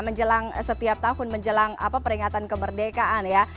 menjelang setiap tahun menjelang peringatan kemerdekaan ya